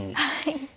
はい。